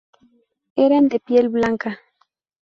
Eran de piel blanca.